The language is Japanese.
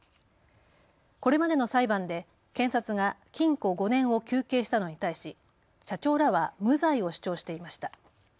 これまでの裁判で検察が禁錮５年を求刑したのに対し社長らは無罪を主張していました。